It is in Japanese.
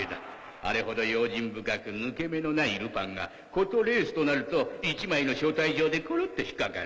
あれほど用心深く抜け目のないルパンがことレースとなると一枚の招待状でコロっと引っ掛かる。